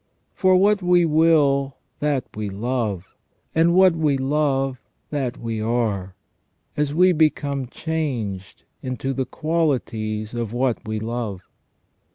For what we will, that we love, and what we love, that we are, as we become changed into the qualities of what we love.